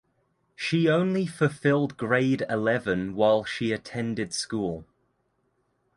She only fulfilled grade eleven while she attended school.